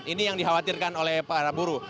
ini yang dikhawatirkan oleh para buruh